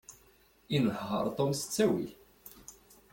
Inehheṛ Tom s ttawil.